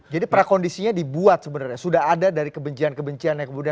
jadi prakondisinya dibuat sebenarnya sudah ada dari kebencian kebencian yang kemudian